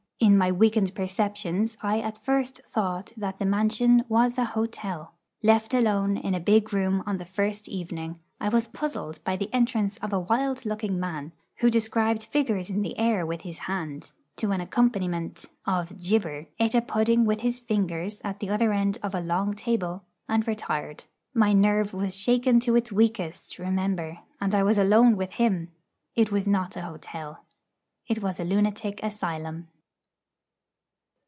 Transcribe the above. In my weakened perceptions I at first thought that the mansion was an hotel. Left alone in a big room on the first evening, I was puzzled by the entrance of a wild looking man, who described figures in the air with his hand, to an accompaniment of gibber, ate a pudding with his fingers at the other end of a long table, and retired. My nerve was shaken to its weakest, remember; and I was alone with him! It was not an hotel. It was a lunatic asylum.